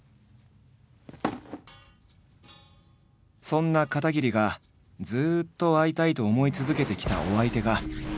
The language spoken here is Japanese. そんな片桐がずっと会いたいと思い続けてきたお相手が。